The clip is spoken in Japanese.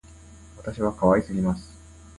私は可愛すぎます